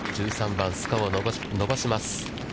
１３番、スコアを伸ばします。